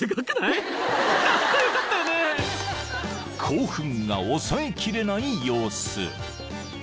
［興奮が抑えきれない様子］